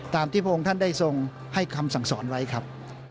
ตามที่พระองค์ท่านได้ทรงให้คำสั่งสอนไว้ครับ